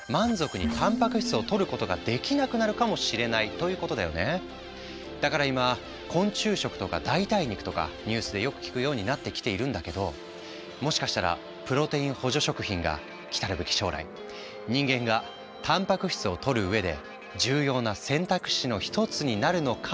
それってつまりいずれ人間はだから今昆虫食とか代替肉とかニュースでよく聞くようになってきているんだけどもしかしたらプロテイン補助食品が来たるべき将来人間がたんぱく質をとるうえで重要な選択肢の一つになるのかもしれないね。